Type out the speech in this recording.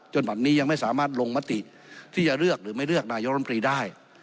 บัตรนี้ยังไม่สามารถลงมติที่จะเลือกหรือไม่เลือกนายกรรมตรีได้